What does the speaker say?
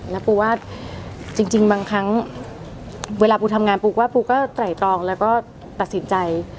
และปูว่าจริงบางครั้งเวลาปูทำงานปูก็ตรายตรองและก็ตัดสินใจ